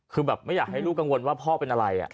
คือแบบไม่อยากให้ลูกกังวลว่าพ่อเป็นอะไร